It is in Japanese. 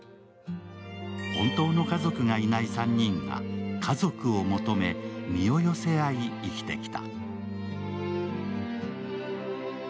本当の家族がいない３人が家族を求め身を寄せ合い、生きてきた。